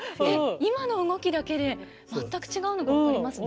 今の動きだけで全く違うのが分かりますね。